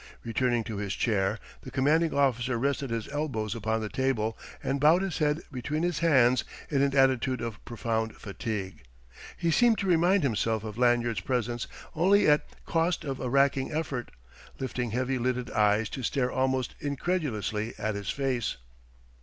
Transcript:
Returning to his chair, the commanding officer rested his elbows upon the table and bowed his head between his hands in an attitude of profound fatigue. He seemed to remind himself of Lanyard's presence only at 'cost of a racking effort, lifting heavy lidded eyes to stare almost incredulously at his face.